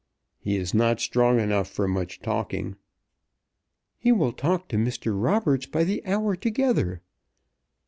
"He is not strong enough for much talking." "He will talk to Mr. Roberts by the hour together.